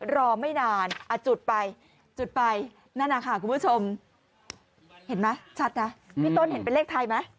รอไม่นานจุดไปจุดไปนั่นนะคะคุณผู้ชมเห็นไหมชัดนะพี่ต้นเห็นเป็นเลขไทยไหม